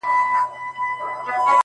پسرلی به وي راغلی نه به ګل نه به بلبل وي؛